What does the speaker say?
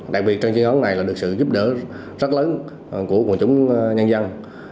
đặc biệt trong chiến ấn này là được sự giúp đỡ rất lớn của quân chúng nhân dân